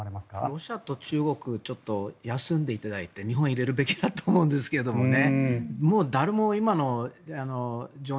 ロシアと中国はちょっと休んでいただいて日本を入れるべきだと思うんですけどね。